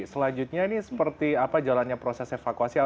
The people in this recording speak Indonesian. selanjutnya ini seperti apa jalannya proses evakuasi